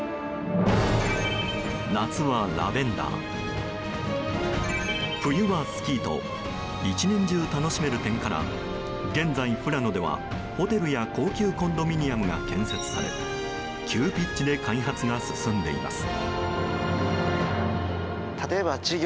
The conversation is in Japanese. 夏はラベンダー、冬はスキーと１年中楽しめる点から現在、富良野では、ホテルや高級コンドミニアムが建設され急ピッチで開発が進んでいます。